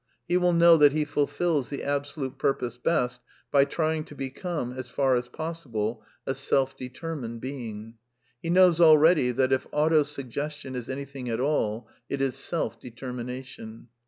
He will know that he fulfils the absolute purpose best by trying to become, as far as pos . sible, a self determined being. He knows already that, if (^^ auto suggestion '' is anything at all, it is self determina tion.